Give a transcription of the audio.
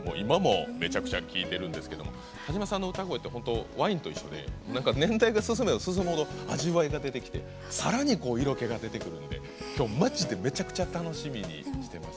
めちゃくちゃ聴いてるんですけど田島さんの歌声ってワインと一緒で年代が進めば進むほど味わいが出てきてさらに色気が出てくるんできょう、マジでめちゃくちゃ楽しみにしてます。